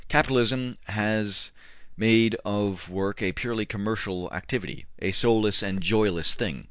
'' Capitalism has made of work a purely commercial activity, a soulless and a joyless thing.